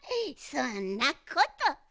そんなことない。